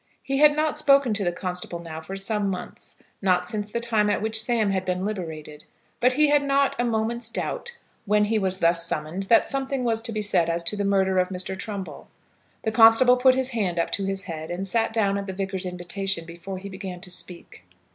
He had not spoken to the constable now for some months, not since the time at which Sam had been liberated; but he had not a moment's doubt when he was thus summoned, that something was to be said as to the murder of Mr. Trumbull. The constable put his hand up to his head, and sat down at the Vicar's invitation, before he began to speak.